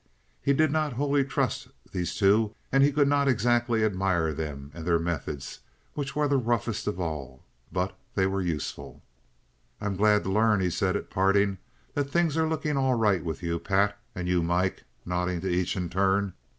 He did not wholly trust these two, and he could not exactly admire them and their methods, which were the roughest of all, but they were useful. "I'm glad to learn," he said, at parting, "that things are looking all right with you, Pat, and you, Mike," nodding to each in turn.